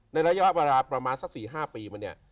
ในระยะเวลาประมาณสัก๔๕ปีมาเนี่ย